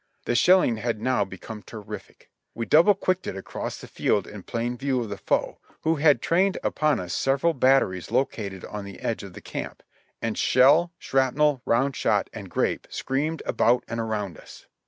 The shelling had now become terrific. We double quicked it across the field in plain view of the foe, who had trained upon us several batteries located on the edge of the camp ; and shell, shrapnel, round shot and grape screamed about and around us.